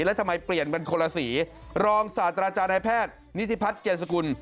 และทำไมเปลี่ยนกันคนละสีรองศาสตราจารยแพทย์นิทิพัทย์เจรศกุล